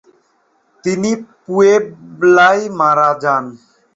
তিনি পুয়েবলায় মারা যান।